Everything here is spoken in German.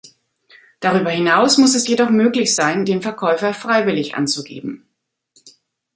Darüber hinaus muss es jedoch möglich sein, den Verkäufer freiwillig anzugegeben.